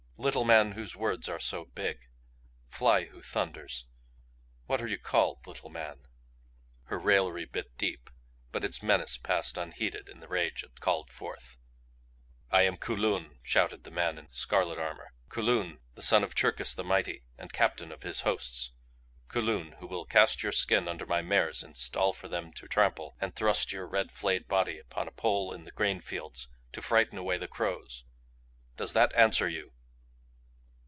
"Little man whose words are so big! Fly who thunders! What are you called, little man?" Her raillery bit deep but its menace passed unheeded in the rage it called forth. "I am Kulun," shouted the man in scarlet armor. "Kulun, the son of Cherkis the Mighty, and captain of his hosts. Kulun who will cast your skin under my mares in stall for them to trample and thrust your red flayed body upon a pole in the grain fields to frighten away the crows! Does that answer you?"